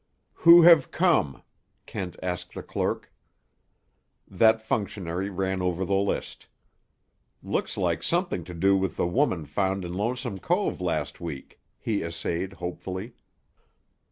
"Who have come?" Kent asked the clerk. That functionary ran over the list. "Looks like something to do with the woman found in Lonesome Cove last week," he essayed hopefully.